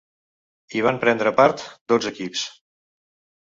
Hi van prendre part dotze equips.